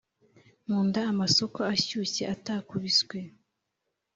nkunda amasoko ashyushye atakubisw